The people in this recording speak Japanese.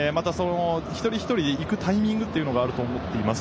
一人一人行くタイミングがあると思っています。